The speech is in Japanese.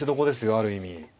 ある意味。